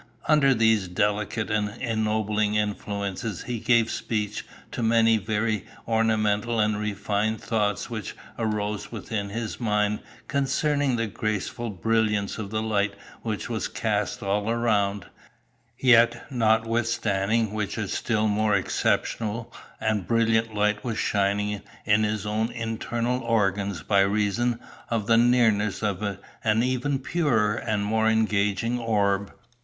Under these delicate and ennobling influences he gave speech to many very ornamental and refined thoughts which arose within his mind concerning the graceful brilliance of the light which was cast all around, yet notwithstanding which a still more exceptional and brilliant light was shining in his own internal organs by reason of the nearness of an even purer and more engaging orb.